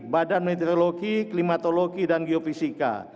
badan meteorologi klimatologi dan geofisika